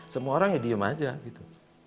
semua orang ya diem aja gitu